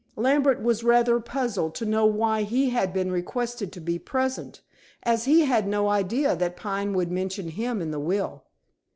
Lambert was rather puzzled to know why he had been requested to be present, as he had no idea that Pine would mention him in the will.